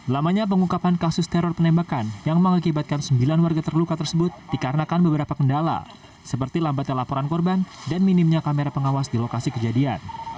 lamanya pengungkapan kasus teror penembakan yang mengakibatkan sembilan warga terluka tersebut dikarenakan beberapa kendala seperti lambatnya laporan korban dan minimnya kamera pengawas di lokasi kejadian